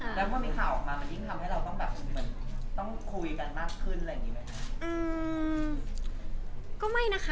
แล้วว่ามีข่าวออกมามันยิ่งทำให้เราต้องคุยกันมากขึ้นอะไรอย่างนี้ไหมคะ